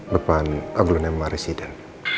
depan aglunema residen